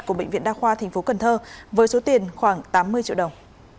của bệnh viện đa khoa tp cần thơ với số tiền khoảng tám mươi triệu đồng